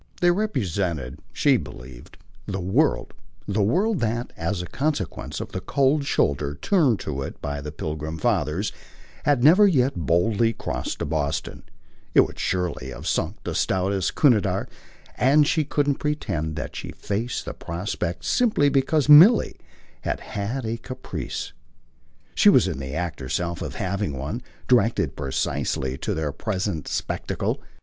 They represented, she believed, the world, the world that, as a consequence of the cold shoulder turned to it by the Pilgrim Fathers, had never yet boldly crossed to Boston it would surely have sunk the stoutest Cunarder and she couldn't pretend that she faced the prospect simply because Milly had had a caprice. She was in the act herself of having one, directed precisely to their present spectacle.